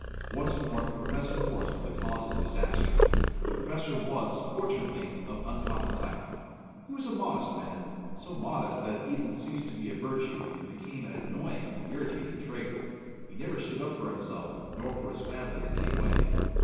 Once more Professor Morris was the cause of the disaster. The Professor was, fortunately, of uncommon type. He was a modest man so modest that it even ceased to be a virtue, and became an annoying and irritating trait. He never stood up for himself, nor for his family in any way.